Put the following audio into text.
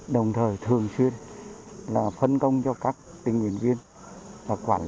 đồng thời thường xuyên là phân công cho các tình nguyện viên và quản lý từng tầng một